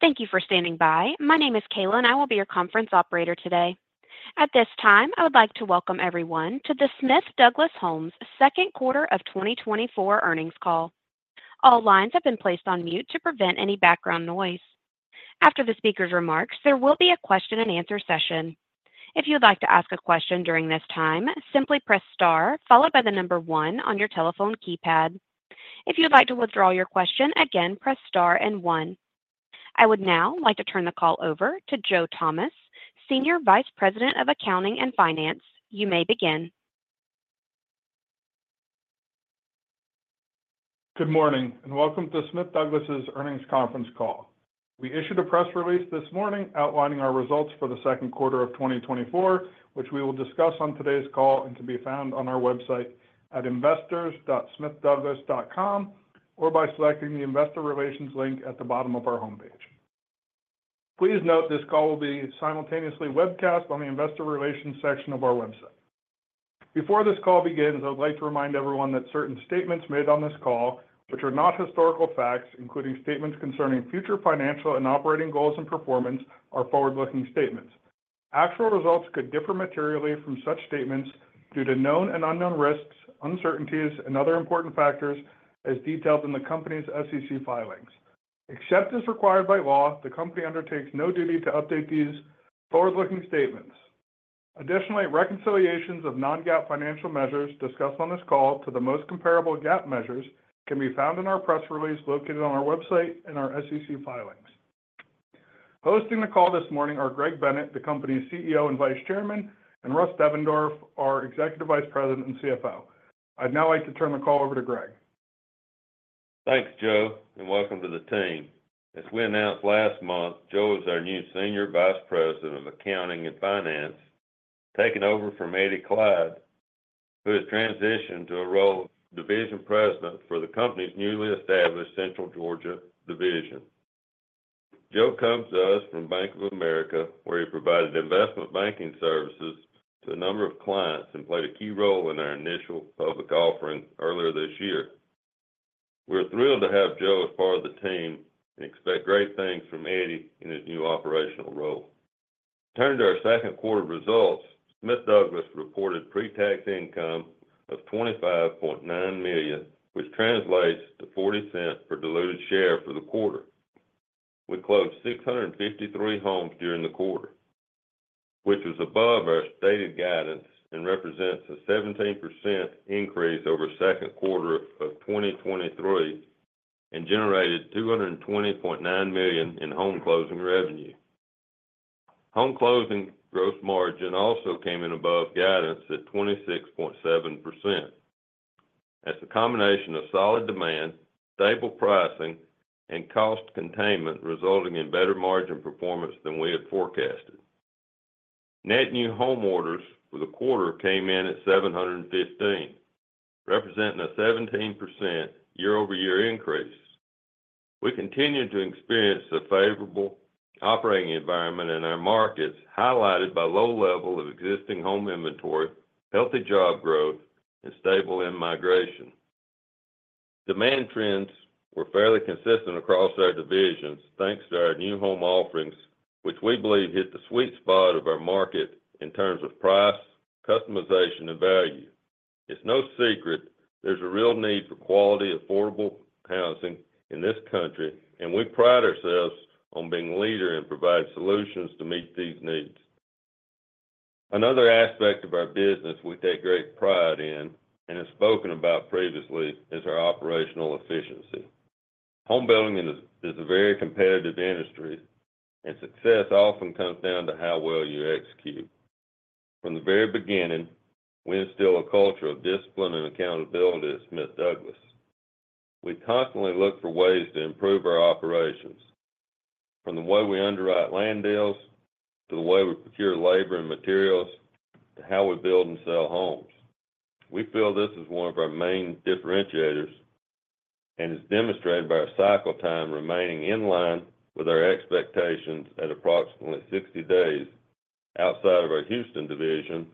Thank you for standing by. My name is Kayla, and I will be your conference operator today. At this time, I would like to welcome everyone to the Smith Douglas Homes second quarter of 2024 earnings call. All lines have been placed on mute to prevent any background noise. After the speaker's remarks, there will be a question and answer session. If you'd like to ask a question during this time, simply press star followed by the number one on your telephone keypad. If you'd like to withdraw your question again, press star and one. I would now like to turn the call over to Joe Thomas, Senior Vice President of Accounting and Finance. You may begin. Good morning, and welcome to Smith Douglas's earnings conference call. We issued a press release this morning outlining our results for the second quarter of 2024, which we will discuss on today's call and can be found on our website at investors.smithdouglas.com, or by selecting the Investor Relations link at the bottom of our homepage. Please note this call will be simultaneously webcast on the Investor Relations section of our website. Before this call begins, I would like to remind everyone that certain statements made on this call, which are not historical facts, including statements concerning future financial and operating goals and performance, are forward-looking statements. Actual results could differ materially from such statements due to known and unknown risks, uncertainties, and other important factors as detailed in the company's SEC filings. Except as required by law, the company undertakes no duty to update these forward-looking statements. Additionally, reconciliations of non-GAAP financial measures discussed on this call to the most comparable GAAP measures can be found in our press release located on our website and our SEC filings. Hosting the call this morning are Greg Bennett, the company's CEO and Vice Chairman, and Russ Devendorf, our Executive Vice President and CFO. I'd now like to turn the call over to Greg. Thanks, Joe, and welcome to the team. As we announced last month, Joe is our new Senior Vice President of Accounting and Finance, taking over from Eddy Kleid, who has transitioned to a role of Division President for the company's newly established Central Georgia division. Joe comes to us from Bank of America, where he provided investment banking services to a number of clients and played a key role in our initial public offering earlier this year. We're thrilled to have Joe as part of the team and expect great things from Eddy in his new operational role. Turning to our second quarter results, Smith Douglas reported pre-tax income of $25.9 million, which translates to $0.40 per diluted share for the quarter. We closed 653 homes during the quarter, which was above our stated guidance and represents a 17% increase over second quarter of 2023 and generated $220.9 million in home closing revenue. Home closing gross margin also came in above guidance at 26.7%. That's a combination of solid demand, stable pricing, and cost containment, resulting in better margin performance than we had forecasted. Net new home orders for the quarter came in at 715, representing a 17% year-over-year increase. We continue to experience a favorable operating environment in our markets, highlighted by low level of existing home inventory, healthy job growth, and stable in-migration. Demand trends were fairly consistent across our divisions, thanks to our new home offerings, which we believe hit the sweet spot of our market in terms of price, customization, and value. It's no secret there's a real need for quality, affordable housing in this country, and we pride ourselves on being a leader in providing solutions to meet these needs. Another aspect of our business we take great pride in and have spoken about previously is our operational efficiency. Home building is a very competitive industry, and success often comes down to how well you execute. From the very beginning, we instill a culture of discipline and accountability at Smith Douglas. We constantly look for ways to improve our operations, from the way we underwrite land deals, to the way we procure labor and materials, to how we build and sell homes. We feel this is one of our main differentiators and is demonstrated by our cycle time remaining in line with our expectations at approximately 60 days outside of our Houston division,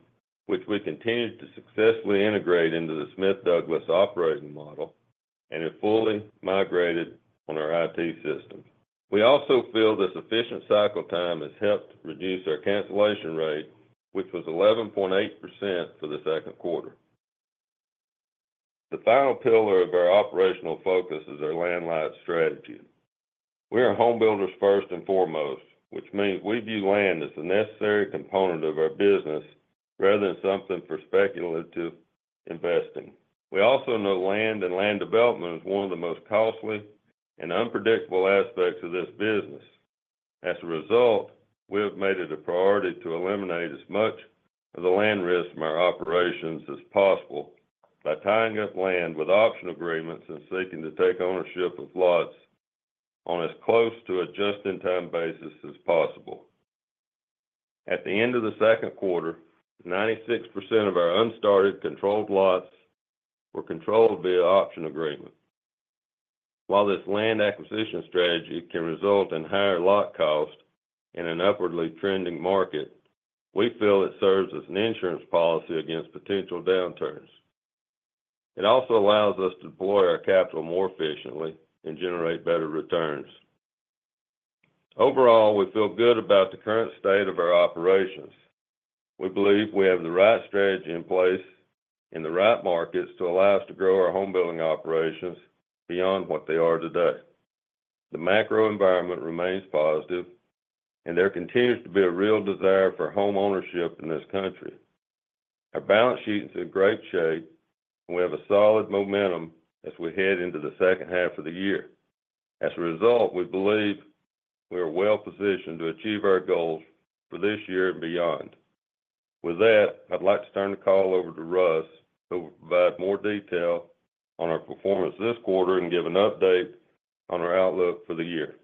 which we continued to successfully integrate into the Smith Douglas operating model and is fully migrated on our IT system. We also feel this efficient cycle time has helped reduce our cancellation rate, which was 11.8% for the second quarter. The final pillar of our operational focus is our land life strategy. We are home builders first and foremost, which means we view land as a necessary component of our business rather than something for speculative investing. We also know land and land development is one of the most costly and unpredictable aspects of this business. As a result, we have made it a priority to eliminate as much of the land risk from our operations as possible by tying up land with option agreements and seeking to take ownership of lots on as close to a just-in-time basis as possible. At the end of the second quarter, 96% of our unstarted controlled lots were controlled via option agreement. While this land acquisition strategy can result in higher lot cost in an upwardly trending market, we feel it serves as an insurance policy against potential downturns.... It also allows us to deploy our capital more efficiently and generate better returns. Overall, we feel good about the current state of our operations. We believe we have the right strategy in place in the right markets to allow us to grow our home building operations beyond what they are today. The macro environment remains positive, and there continues to be a real desire for homeownership in this country. Our balance sheet is in great shape, and we have a solid momentum as we head into the second half of the year. As a result, we believe we are well positioned to achieve our goals for this year and beyond. With that, I'd like to turn the call over to Russ, who will provide more detail on our performance this quarter and give an update on our outlook for the year.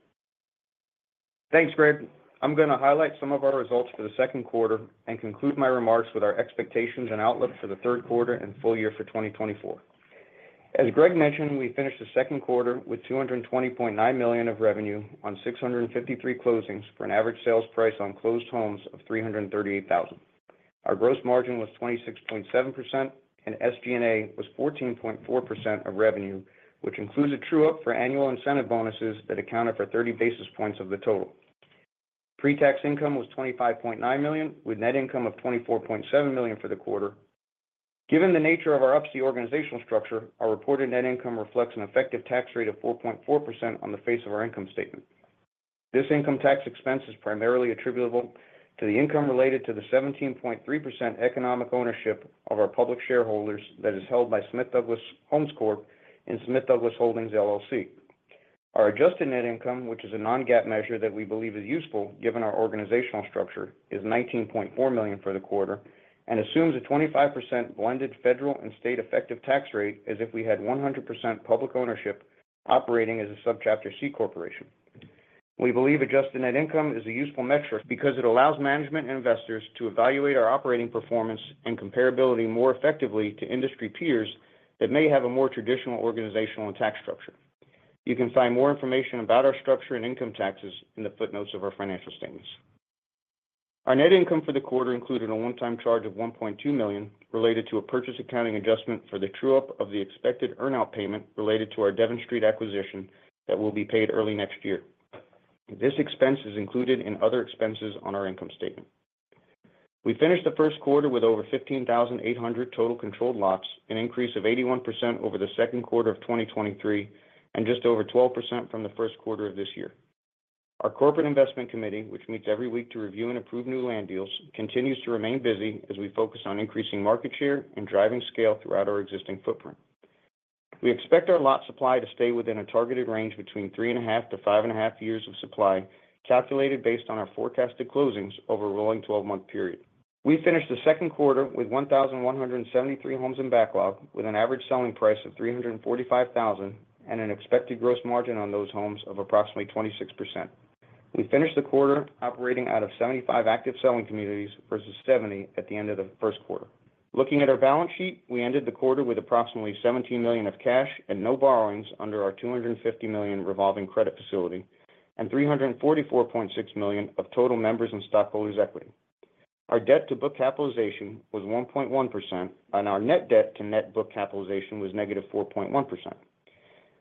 Thanks, Greg. I'm going to highlight some of our results for the second quarter and conclude my remarks with our expectations and outlook for the third quarter and full year for 2024. As Greg mentioned, we finished the second quarter with $220.9 million of revenue on 653 closings for an average sales price on closed homes of $338,000. Our gross margin was 26.7%, and SG&A was 14.4% of revenue, which includes a true-up for annual incentive bonuses that accounted for 30 basis points of the total. Pre-tax income was $25.9 million, with net income of $24.7 million for the quarter. Given the nature of our Up-C organizational structure, our reported net income reflects an effective tax rate of 4.4% on the face of our income statement. This income tax expense is primarily attributable to the income related to the 17.3% economic ownership of our public shareholders that is held by Smith Douglas Homes Corp. and Smith Douglas Holdings, LLC. Our adjusted net income, which is a non-GAAP measure that we believe is useful, given our organizational structure, is $19.4 million for the quarter and assumes a 25% blended federal and state effective tax rate as if we had 100% public ownership operating as a Subchapter C corporation. We believe adjusted net income is a useful metric because it allows management and investors to evaluate our operating performance and comparability more effectively to industry peers that may have a more traditional organizational and tax structure. You can find more information about our structure and income taxes in the footnotes of our financial statements. Our net income for the quarter included a one-time charge of $1.2 million, related to a purchase accounting adjustment for the true-up of the expected earn out payment related to our Devon Street acquisition that will be paid early next year. This expense is included in other expenses on our income statement. We finished the first quarter with over 15,800 total controlled lots, an increase of 81% over the second quarter of 2023, and just over 12% from the first quarter of this year. Our corporate investment committee, which meets every week to review and approve new land deals, continues to remain busy as we focus on increasing market share and driving scale throughout our existing footprint. We expect our lot supply to stay within a targeted range between 3.5-5.5 years of supply, calculated based on our forecasted closings over a rolling twelve-month period. We finished the second quarter with 1,173 homes in backlog, with an average selling price of $345,000 and an expected gross margin on those homes of approximately 26%. We finished the quarter operating out of 75 active selling communities, versus 70 at the end of the first quarter. Looking at our balance sheet, we ended the quarter with approximately $17 million of cash and no borrowings under our $250 million revolving credit facility and $344.6 million of total members and stockholders' equity. Our debt to book capitalization was 1.1%, and our net debt to net book capitalization was -4.1%.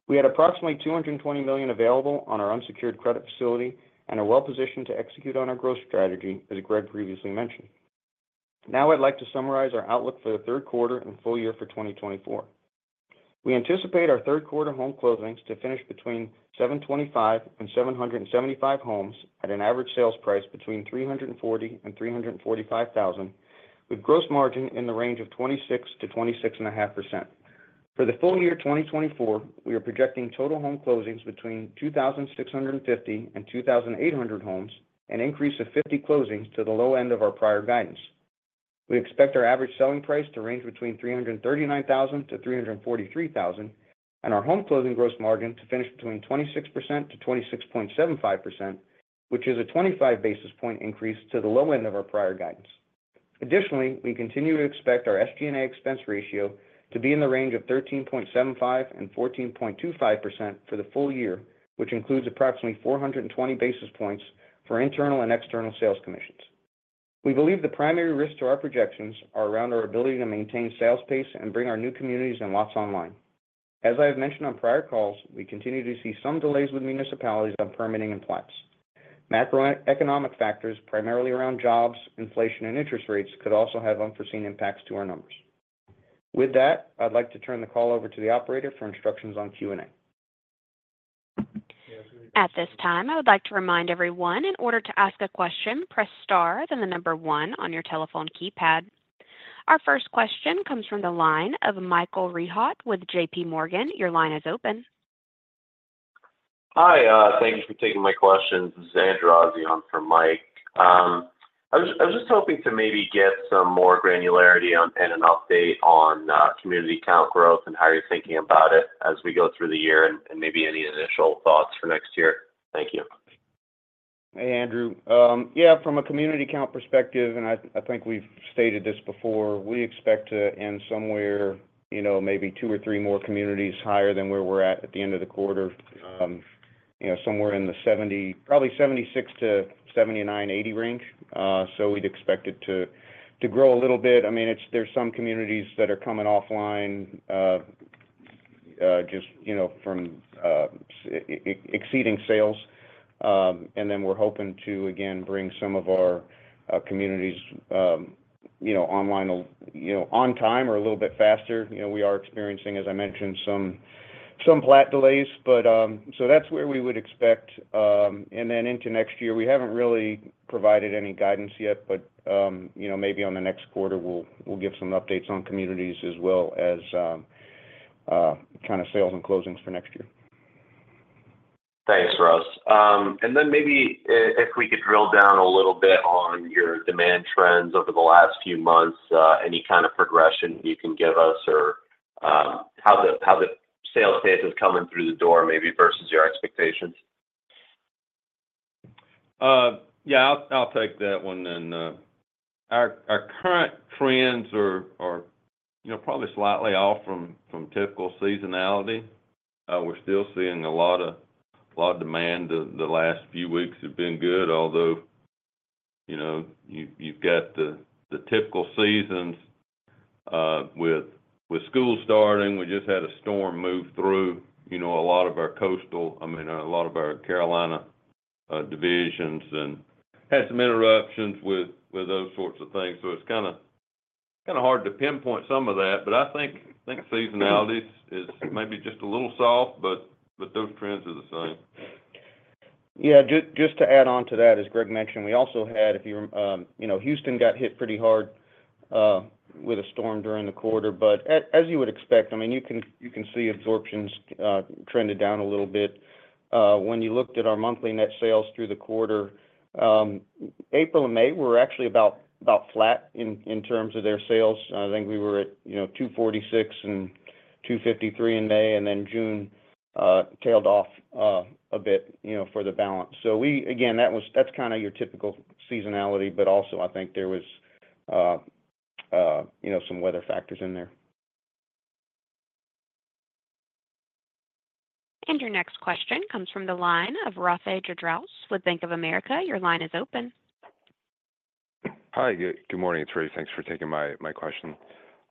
We had approximately $220 million available on our unsecured credit facility and are well positioned to execute on our growth strategy, as Greg previously mentioned. Now, I'd like to summarize our outlook for the third quarter and full year for 2024. We anticipate our third quarter home closings to finish between 725 and 775 homes, at an average sales price between $340,000 and $345,000, with gross margin in the range of 26%-26.5%. For the full year 2024, we are projecting total home closings between 2,650 and 2,800 homes, an increase of 50 closings to the low end of our prior guidance. We expect our average selling price to range between $339,000-$343,000, and our home closing gross margin to finish between 26%-26.75%, which is a 25 basis point increase to the low end of our prior guidance. Additionally, we continue to expect our SG&A expense ratio to be in the range of 13.75%-14.25% for the full year, which includes approximately 420 basis points for internal and external sales commissions. We believe the primary risks to our projections are around our ability to maintain sales pace and bring our new communities and lots online. As I have mentioned on prior calls, we continue to see some delays with municipalities on permitting and plots. Macroeconomic factors, primarily around jobs, inflation, and interest rates, could also have unforeseen impacts to our numbers. With that, I'd like to turn the call over to the operator for instructions on Q&A. At this time, I would like to remind everyone, in order to ask a question, press star, then the number one on your telephone keypad. Our first question comes from the line of Michael Rehaut with JPMorgan. Your line is open. Hi, thank you for taking my questions. This is Andrew Azzi on for Mike. I was just hoping to maybe get some more granularity on and an update on community count growth and how you're thinking about it as we go through the year and maybe any initial thoughts for next year. Thank you. Hey, Andrew. Yeah, from a community count perspective, and I think we've stated this before, we expect to end somewhere, you know, maybe 2 or 3 more communities higher than where we're at at the end of the quarter. You know, somewhere in the 70, probably 76-79, 80 range. So we'd expect it to grow a little bit. I mean, it's. There's some communities that are coming offline, just, you know, from exceeding sales. And then we're hoping to, again, bring some of our communities, you know, online, you know, on time or a little bit faster. You know, we are experiencing, as I mentioned, some plat delays. So that's where we would expect, and then into next year, we haven't really provided any guidance yet, but, you know, maybe on the next quarter, we'll give some updates on communities as well as kinda sales and closings for next year. Thanks, Russ. And then maybe if we could drill down a little bit on your demand trends over the last few months, any kind of progression you can give us, or, how the, how the sales pace is coming through the door, maybe versus your expectations? Yeah, I'll take that one then. Our current trends are, you know, probably slightly off from typical seasonality. We're still seeing a lot of demand. The last few weeks have been good, although, you know, you've got the typical seasons with school starting. We just had a storm move through, you know, a lot of our coastal—I mean, a lot of our Carolina divisions, and had some interruptions with those sorts of things. So it's kinda hard to pinpoint some of that, but I think seasonality is maybe just a little soft, but those trends are the same. Yeah, just to add on to that, as Greg mentioned, we also had you know, Houston got hit pretty hard with a storm during the quarter, but as you would expect, I mean, you can see absorptions trended down a little bit. When you looked at our monthly net sales through the quarter, April and May were actually about flat in terms of their sales. I think we were at, you know, 246 and 253 in May, and then June tailed off a bit, you know, for the balance. So we again, that was that's kinda your typical seasonality, but also I think there was you know, some weather factors in there. Your next question comes from the line of Rafe Jadrosich with Bank of America. Your line is open. Hi, good morning. It's Rafe. Thanks for taking my question.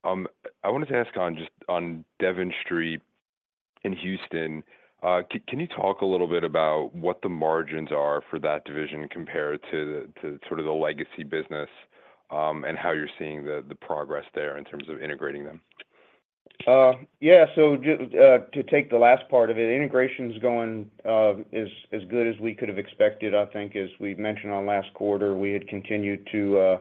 I wanted to ask on Devon Street in Houston, can you talk a little bit about what the margins are for that division compared to sort of the legacy business, and how you're seeing the progress there in terms of integrating them? Yeah. So just to take the last part of it, integration is going as good as we could have expected. I think as we've mentioned on last quarter, we had continued to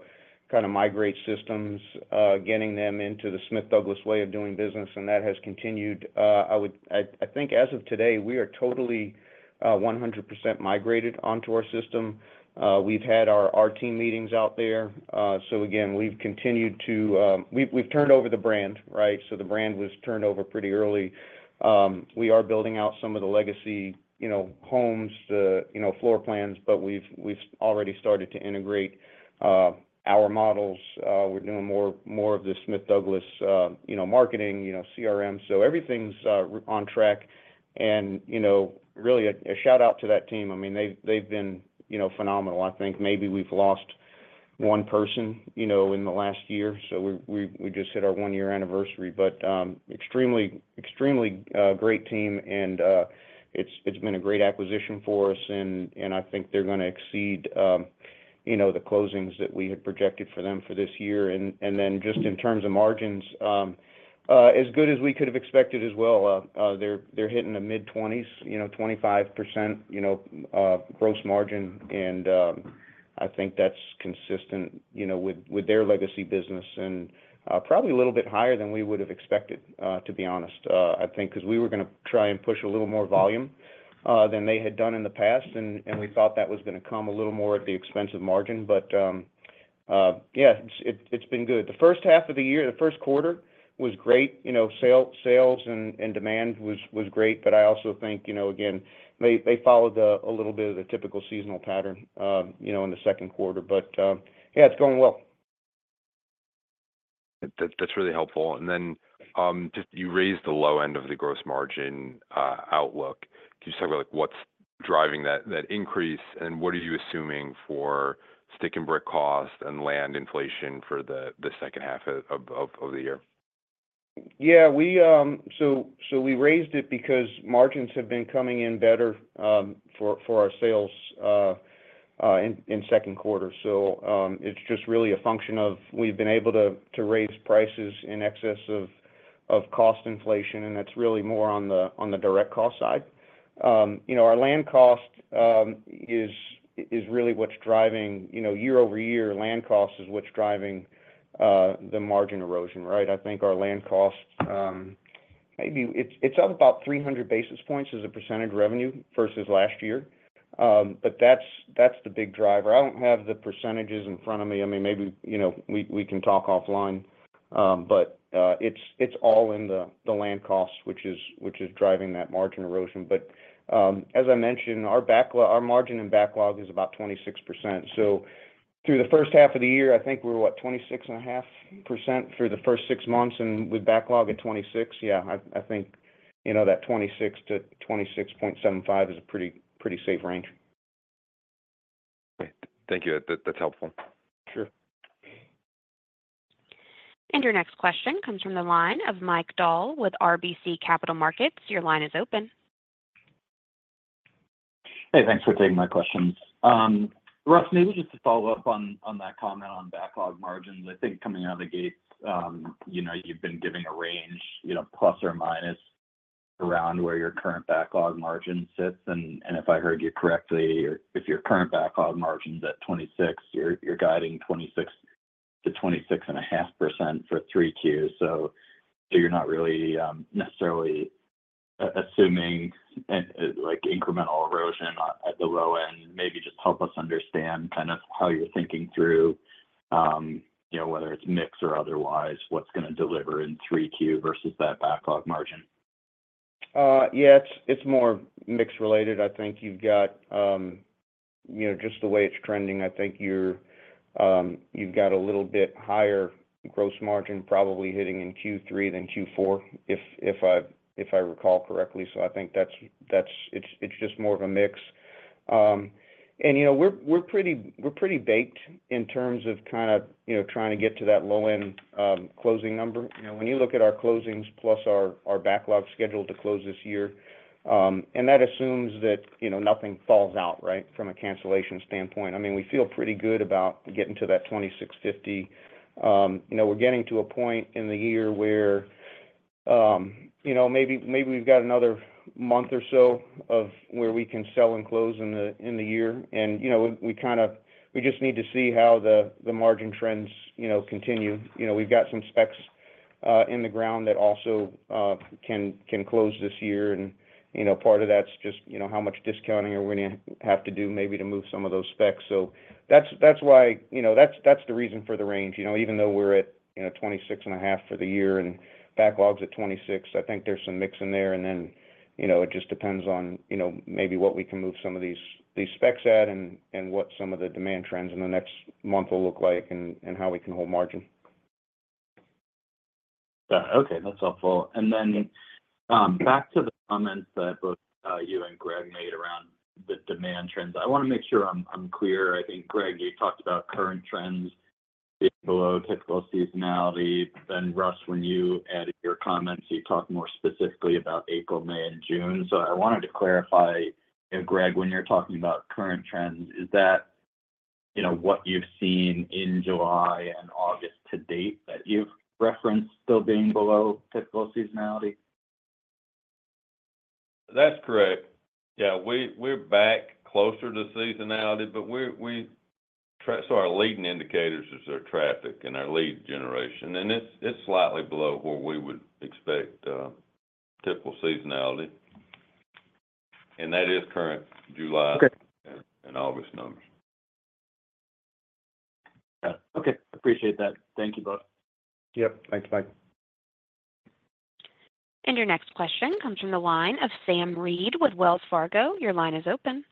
kinda migrate systems, getting them into the Smith Douglas way of doing business, and that has continued. I think as of today, we are totally 100% migrated onto our system. We've had our team meetings out there. So again, we've continued to. We've turned over the brand, right? So the brand was turned over pretty early. We are building out some of the legacy, you know, homes, the, you know, floor plans, but we've already started to integrate our models. We're doing more of the Smith Douglas, you know, marketing, you know, CRM. So everything's on track, and you know, really a shout-out to that team. I mean, they've been you know, phenomenal. I think maybe we've lost one person you know, in the last year, so we just hit our one-year anniversary. But extremely great team, and it's been a great acquisition for us, and I think they're gonna exceed you know, the closings that we had projected for them for this year. And then just in terms of margins, as good as we could have expected as well, they're hitting the mid-20s you know, 25% you know, gross margin, and I think that's consistent you know, with their legacy business, and probably a little bit higher than we would have expected, to be honest. I think because we were gonna try and push a little more volume than they had done in the past, and we thought that was gonna come a little more at the expense of margin. But yeah, it's been good. The first half of the year, the first quarter was great. You know, sales and demand was great, but I also think, you know, again, they followed a little bit of the typical seasonal pattern, you know, in the second quarter. But yeah, it's going well. That, that's really helpful. And then, just you raised the low end of the gross margin outlook. Can you talk about what's driving that increase, and what are you assuming for stick and brick cost and land inflation for the second half of the year? So we raised it because margins have been coming in better for our sales in second quarter. So it's just really a function of we've been able to raise prices in excess of cost inflation, and that's really more on the direct cost side. You know, our land cost is really what's driving, you know, year-over-year land cost is what's driving the margin erosion, right? I think our land costs maybe it's up about 300 basis points as a percentage of revenue versus last year. But that's the big driver. I don't have the percentages in front of me. I mean, maybe, you know, we can talk offline, but it's all in the land costs, which is driving that margin erosion. But, as I mentioned, our backlog—our margin in backlog is about 26%. So, through the first half of the year, I think we were, what? 26.5% through the first six months, and with backlog at 26%. Yeah, I think, you know, that 26%-26.75% is a pretty, pretty safe range. Great. Thank you. That, that's helpful. Sure. Your next question comes from the line of Mike Dahl with RBC Capital Markets. Your line is open. Hey, thanks for taking my questions. Russ, maybe just to follow up on that comment on backlog margins. I think coming out of the gates, you know, you've been giving a range, you know, plus or minus around where your current backlog margin sits. And if I heard you correctly, if your current backlog margin's at 26, you're guiding 26%-26.5% for 3Q. So you're not really necessarily assuming like incremental erosion at the low end. Maybe just help us understand kind of how you're thinking through, you know, whether it's mix or otherwise, what's gonna deliver in 3Q versus that backlog margin. Yeah, it's more mix related. I think you've got, you know, just the way it's trending, I think you're, you've got a little bit higher gross margin probably hitting in Q3 than Q4, if I recall correctly. So I think that's it. It's just more of a mix. And, you know, we're pretty baked in terms of kind of, you know, trying to get to that low-end closing number. You know, when you look at our closings plus our backlog scheduled to close this year, and that assumes that, you know, nothing falls out, right, from a cancellation standpoint. I mean, we feel pretty good about getting to that 2,650. You know, we're getting to a point in the year where, you know, maybe, maybe we've got another month or so of where we can sell and close in the, in the year. And, you know, we kinda. We just need to see how the margin trends, you know, continue. You know, we've got some specs in the ground that also can close this year. And, you know, part of that's just, you know, how much discounting are we gonna have to do maybe to move some of those specs. So that's why, you know, that's the reason for the range. You know, even though we're at, you know, 26.5% for the year and backlog's at 26%, I think there's some mix in there. And then, you know, it just depends on, you know, maybe what we can move some of these, these specs at and, and what some of the demand trends in the next month will look like and, and how we can hold margin. Yeah. Okay, that's helpful. And then, back to the comments that both you and Greg made around the demand trends. I want to make sure I'm clear. I think, Greg, you talked about current trends below typical seasonality. Then Russ, when you added your comments, you talked more specifically about April, May, and June. So I wanted to clarify, and Greg, when you're talking about current trends, is that, you know, what you've seen in July and August to date, that you've referenced still being below typical seasonality? That's correct. Yeah, we're back closer to seasonality, but we're, so our leading indicators is our traffic and our lead generation, and it's slightly below where we would expect typical seasonality. And that is current July- Okay... and August numbers. Got it. Okay, appreciate that. Thank you both. Yep. Thanks, Mike. Your next question comes from the line of Sam Reid with Wells Fargo. Your line is open.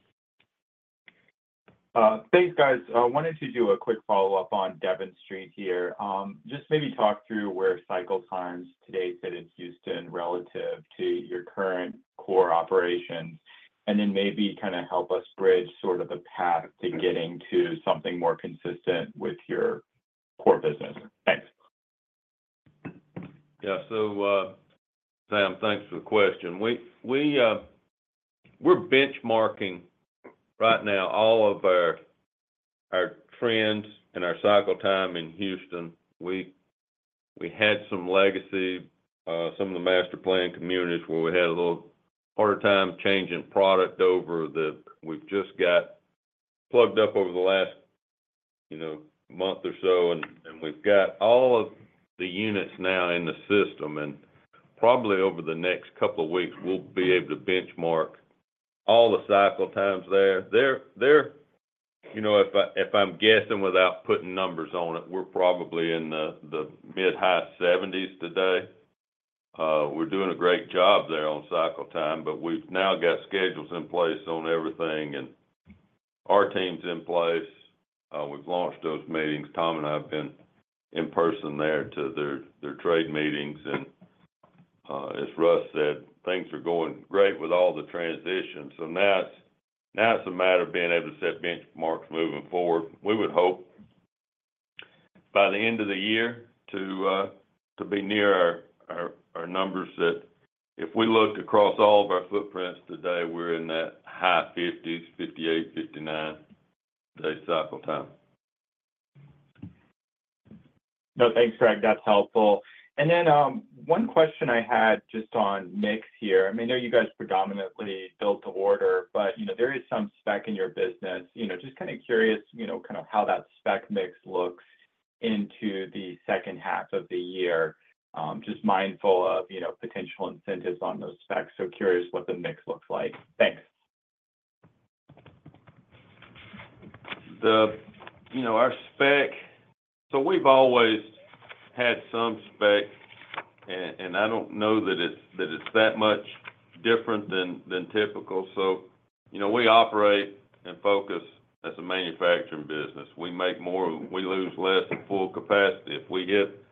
Thanks, guys. I wanted to do a quick follow-up on Devon Street here. Just maybe talk through where cycle times today fit in Houston relative to your current core operations, and then maybe kind of help us bridge sort of the path to getting to something more consistent with your core business. Thanks. Yeah. So, Sam, thanks for the question. We're benchmarking right now all of our trends and our cycle time in Houston. We had some legacy, some of the master-planned communities where we had a little harder time changing product over the- we've just got plugged up over the last, you know, month or so, and we've got all of the units now in the system. And probably over the next couple of weeks, we'll be able to benchmark all the cycle times there. They're... You know, if I'm guessing, without putting numbers on it, we're probably in the mid-high 70s today. We're doing a great job there on cycle time, but we've now got schedules in place on everything, and our team's in place. We've launched those meetings. Tom and I have been in person there to their trade meetings, and, as Russ said, things are going great with all the transitions. So now it's a matter of being able to set benchmarks moving forward. We would hope by the end of the year to be near our numbers that if we looked across all of our footprints today, we're in that high 50s, 58, 59-day cycle time. No, thanks, Greg. That's helpful. Then, one question I had just on mix here. I mean, I know you guys predominantly build to order, but, you know, there is some spec in your business. You know, just kind of curious, you know, kind of how that spec mix looks into the second half of the year. Just mindful of, you know, potential incentives on those specs, so curious what the mix looks like. Thanks. You know, our specs. So we've always had some specs, and I don't know that it's that much different than typical. So, you know, we operate and focus as a manufacturing business. We make more, we lose less at full capacity. If we hit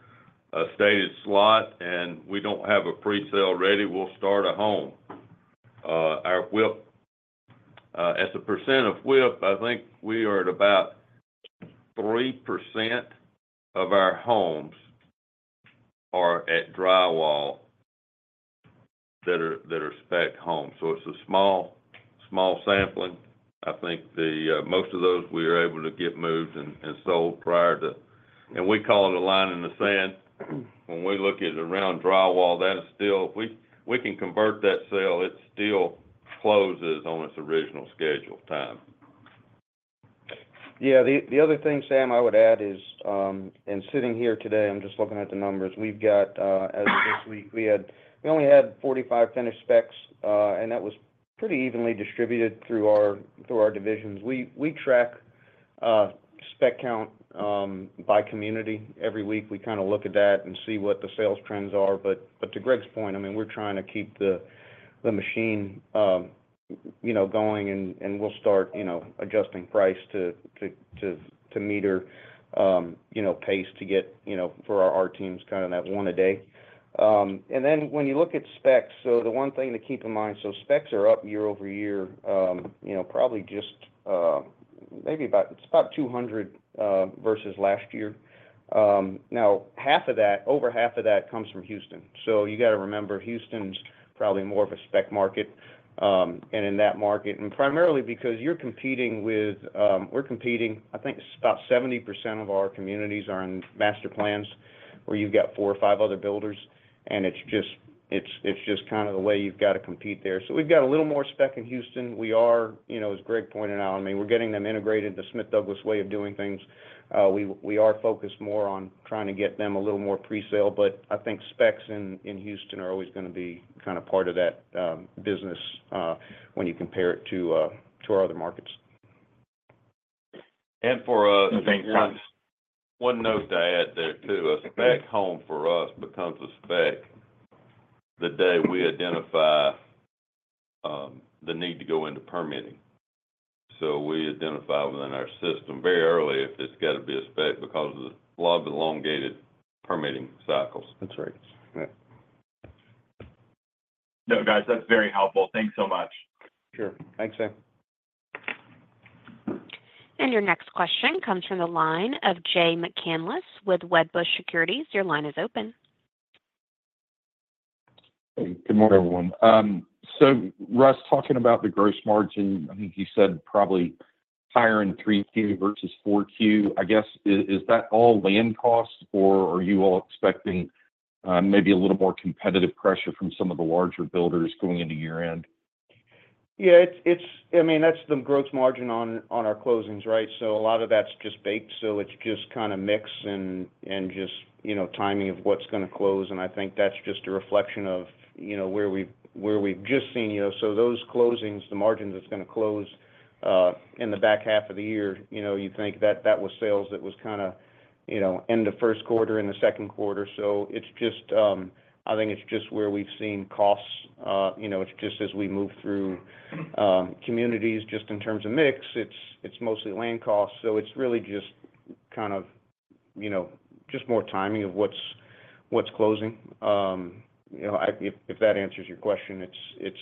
a stated slot and we don't have a presale ready, we'll start a home. Our WIP as a percent of WIP, I think we are at about 3% of our homes are at drywall that are spec homes. So it's a small, small sampling. I think the most of those we are able to get moved and sold prior to... And we call it a line in the sand. When we look at around drywall, that is still we can convert that sale, it still closes on its original scheduled time. Yeah, the other thing, Sam, I would add is, in sitting here today, I'm just looking at the numbers. We've got, as of this week, we only had 45 finished specs, and that was pretty evenly distributed through our divisions. We track spec count by community. Every week, we kind of look at that and see what the sales trends are. But to Greg's point, I mean, we're trying to keep the machine going, and we'll start adjusting price to meter pace to get for our teams, kind of that one a day. And then when you look at specs, so the one thing to keep in mind, so specs are up year-over-year, you know, probably just, maybe about, it's about 200 versus last year. Now, half of that, over half of that comes from Houston. So you got to remember, Houston's probably more of a spec market, and in that market, and primarily because you're competing with, we're competing, I think about 70% of our communities are in master plans, where you've got four or five other builders, and it's just kind of the way you've got to compete there. So we've got a little more spec in Houston. We are, you know, as Greg pointed out, I mean, we're getting them integrated, the Smith Douglas way of doing things. We are focused more on trying to get them a little more presale, but I think specs in Houston are always going to be kind of part of that business when you compare it to our other markets. And for us, one note to add there, too: a spec home for us becomes a spec the day we identify, the need to go into permitting. So we identify within our system very early if it's got to be a spec because of a lot of elongated permitting cycles. That's right. Yeah. No, guys, that's very helpful. Thanks so much. Sure. Thanks, Sam. Your next question comes from the line of Jay McCanless with Wedbush Securities. Your line is open. Hey, good morning, everyone. So Russ, talking about the gross margin, I think you said probably higher in 3Q versus 4Q. I guess, is that all land costs, or are you all expecting maybe a little more competitive pressure from some of the larger builders going into year-end? Yeah, it's, it's... I mean, that's the gross margin on, on our closings, right? So a lot of that's just baked, so it's just kind of mix and, and just, you know, timing of what's going to close, and I think that's just a reflection of, you know, where we've, where we've just seen, you know. So those closings, the margins that's going to close, in the back half of the year, you know, you think that that was sales that was kind of, you know, end of first quarter, in the second quarter. So it's just, I think it's just where we've seen costs, you know, it's just as we move through, communities, just in terms of mix, it's, it's mostly land costs. So it's really just kind of, you know, just more timing of what's, what's closing. You know, if that answers your question, it's...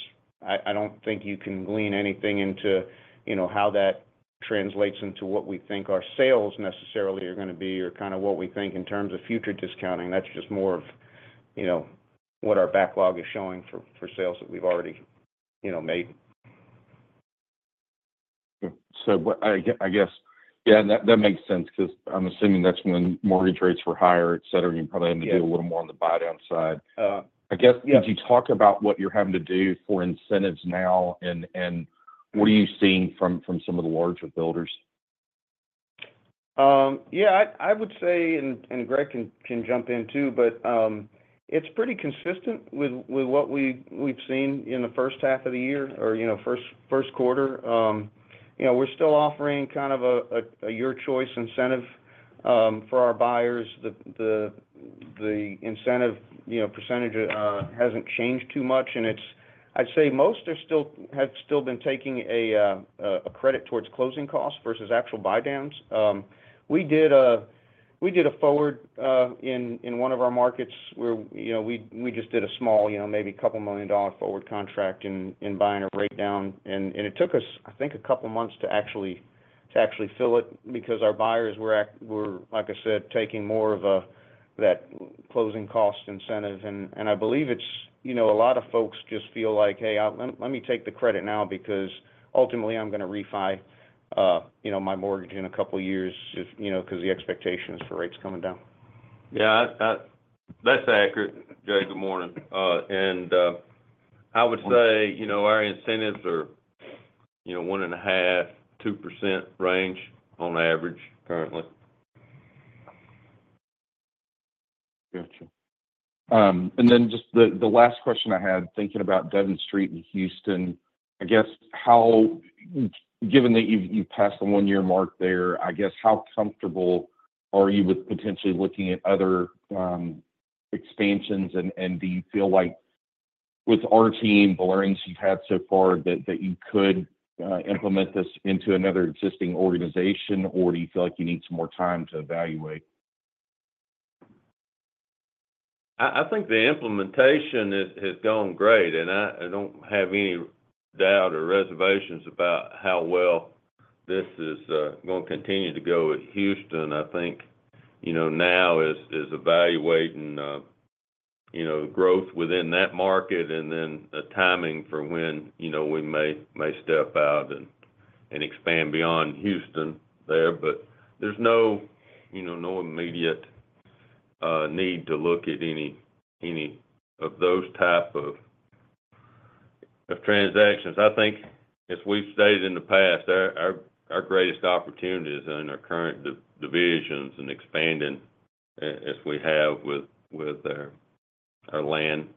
I don't think you can glean anything into, you know, how that translates into what we think our sales necessarily are going to be or kind of what we think in terms of future discounting. That's just more of, you know, what our backlog is showing for sales that we've already, you know, made. But I guess, yeah, and that makes sense because I'm assuming that's when mortgage rates were higher, et cetera, you probably had to do a little more on the buy down side. Uh, yeah. I guess, could you talk about what you're having to do for incentives now, and what are you seeing from some of the larger builders? Yeah, I would say, and Greg can jump in, too, but it's pretty consistent with what we've seen in the first half of the year or, you know, first quarter. You know, we're still offering kind of a your choice incentive for our buyers. The incentive, you know, percentage hasn't changed too much, and it's. I'd say most have still been taking a credit towards closing costs versus actual buy downs. We did a, we did a forward, in, in one of our markets where, you know, we just did a small, you know, maybe a $2 million forward contract in, in buying a rate down, and it took us, I think, a couple of months to actually fill it because our buyers were, like I said, taking more of a that closing cost incentive. And I believe it's, you know, a lot of folks just feel like, "Hey, let me take the credit now because ultimately I'm going to refi, you know, my mortgage in a couple of years," just, you know, because the expectation is for rates coming down. Yeah, that's accurate. Jay, good morning. And I would say, you know, our incentives are, you know, 1.5%-2% range on average, currently.... Gotcha. And then just the last question I had, thinking about Devon Street in Houston, I guess how, given that you've passed the one-year mark there, I guess, how comfortable are you with potentially looking at other expansions? And do you feel like with our team, the learnings you've had so far, that you could implement this into another existing organization? Or do you feel like you need some more time to evaluate? I think the implementation has gone great, and I don't have any doubt or reservations about how well this is going to continue to go with Houston. I think, you know, now it's evaluating, you know, growth within that market, and then the timing for when, you know, we may step out and expand beyond Houston there. But there's no, you know, no immediate need to look at any of those type of transactions. I think, as we've stated in the past, our greatest opportunities are in our current divisions and expanding as we have with our land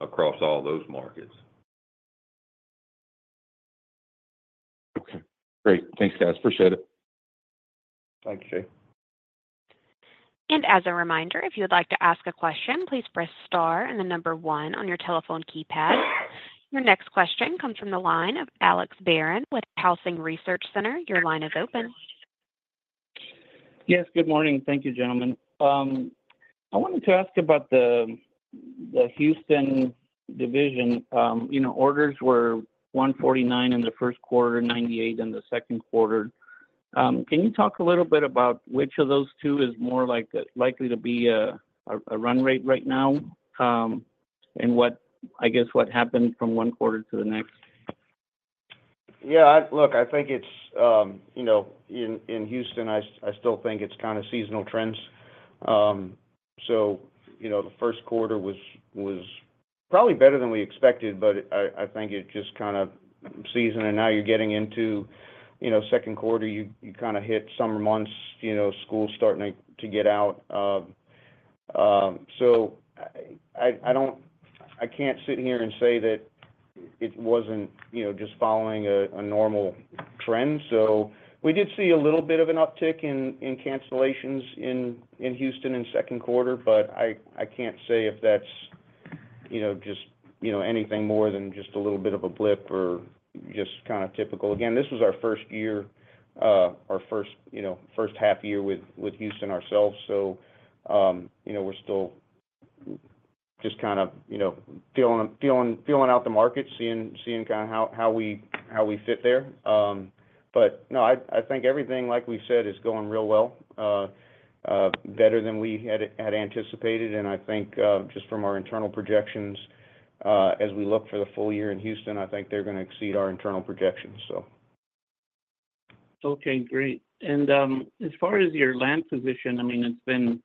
across all those markets. Okay. Great. Thanks, guys. Appreciate it. Thank you, Jay. As a reminder, if you'd like to ask a question, please press Star and the number one on your telephone keypad. Your next question comes from the line of Alex Barron with Housing Research Center. Your line is open. Yes, good morning. Thank you, gentlemen. I wanted to ask about the Houston division. You know, orders were 149 in the first quarter, 98 in the second quarter. Can you talk a little bit about which of those two is more likely to be a run rate right now, and what, I guess, what happened from one quarter to the next? Yeah, look, I think it's, you know, in Houston, I still think it's kind of seasonal trends. So, you know, the first quarter was probably better than we expected, but I think it just kind of seasonal, and now you're getting into, you know, second quarter, you kind of hit summer months, you know, school's starting to get out. So I don't—I can't sit here and say that it wasn't, you know, just following a normal trend. So we did see a little bit of an uptick in cancellations in Houston in second quarter, but I can't say if that's, you know, just anything more than just a little bit of a blip or just kind of typical. Again, this was our first year, our first, you know, first half year with Houston ourselves, so, you know, we're still just kind of, you know, feeling out the market, seeing kind of how we fit there. But no, I think everything, like we've said, is going real well, better than we had anticipated, and I think, just from our internal projections, as we look for the full year in Houston, I think they're going to exceed our internal projections, so. Okay, great. And, as far as your land position, I mean, it's been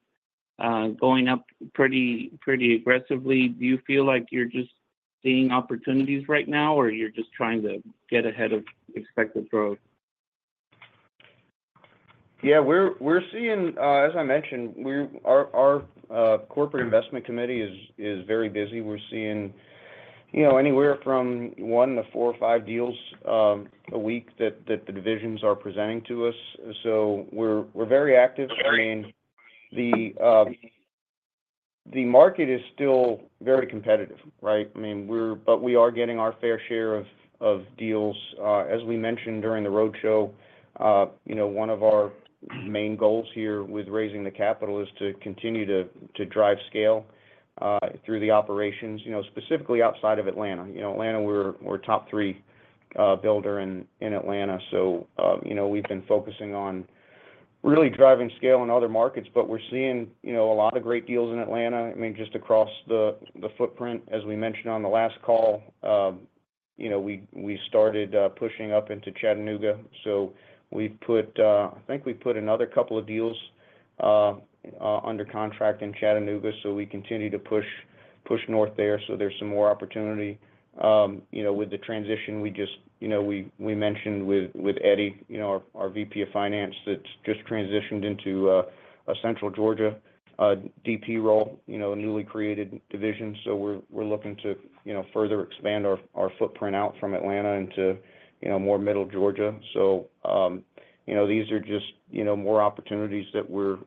going up pretty, pretty aggressively. Do you feel like you're just seeing opportunities right now, or you're just trying to get ahead of expected growth? Yeah, we're seeing, as I mentioned, our corporate investment committee is very busy. We're seeing, you know, anywhere from one to four or five deals a week that the divisions are presenting to us. So we're very active. I mean, the market is still very competitive, right? I mean, but we are getting our fair share of deals. As we mentioned during the roadshow, you know, one of our main goals here with raising the capital is to continue to drive scale through the operations, you know, specifically outside of Atlanta. You know, Atlanta, we're a top three builder in Atlanta, so you know, we've been focusing on really driving scale in other markets, but we're seeing, you know, a lot of great deals in Atlanta. I mean, just across the footprint, as we mentioned on the last call, you know, we started pushing up into Chattanooga, so we've put, I think we've put another couple of deals under contract in Chattanooga, so we continue to push north there. So there's some more opportunity. You know, with the transition, we just, you know, we mentioned with Eddie, you know, our VP of Finance, that just transitioned into a central Georgia DP role, you know, a newly created division. So we're looking to, you know, further expand our footprint out from Atlanta into, you know, more middle Georgia. So, you know, these are just, you know, more opportunities that we're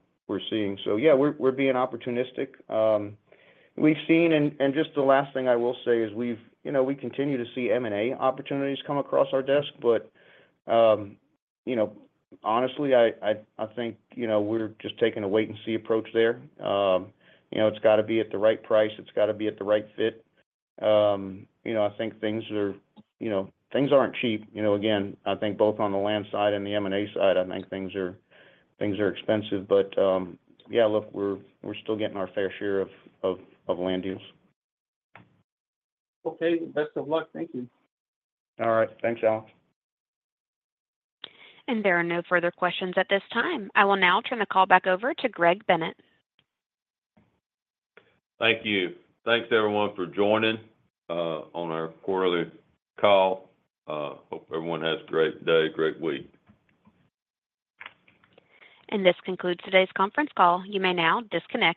seeing. So yeah, we're being opportunistic. We've seen, and just the last thing I will say is you know, we continue to see M&A opportunities come across our desk, but, you know, honestly, I think, you know, we're just taking a wait-and-see approach there. You know, it's got to be at the right price, it's got to be at the right fit. You know, I think things are... You know, things aren't cheap. You know, again, I think both on the land side and the M&A side, I think things are expensive, but, yeah, look, we're still getting our fair share of land deals. Okay. Best of luck. Thank you. All right. Thanks, Alex. There are no further questions at this time. I will now turn the call back over to Greg Bennett. Thank you. Thanks, everyone, for joining on our quarterly call. Hope everyone has a great day, great week. This concludes today's conference call. You may now disconnect.